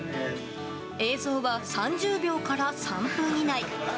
映像は３０秒から３分以内。